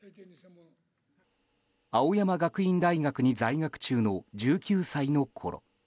青山学院大学に在学中の１９歳のころ